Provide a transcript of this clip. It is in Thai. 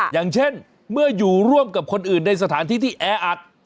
อย่างเช่นเมื่ออยู่ร่วมกับคนอื่นในสถานที่ที่แออัด